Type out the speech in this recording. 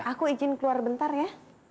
aku izin keluar bentar ya